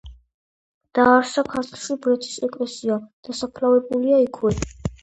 დააარსა ქართლში ბრეთის ეკლესია, დასაფლავებულია იქვე.